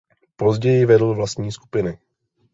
Později vedl vlastní skupiny.